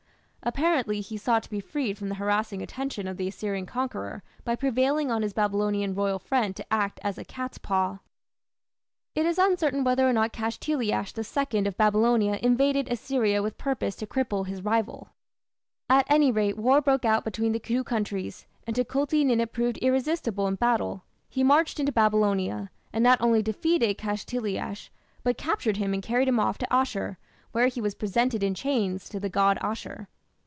Apparently he sought to be freed from the harassing attention of the Assyrian conqueror by prevailing on his Babylonian royal friend to act as a "cat's paw". It is uncertain whether or not Kashtiliash II of Babylonia invaded Assyria with purpose to cripple his rival. At any rate war broke out between the two countries, and Tukulti Ninip proved irresistible in battle. He marched into Babylonia, and not only defeated Kashtiliash, but captured him and carried him off to Asshur, where he was presented in chains to the god Ashur.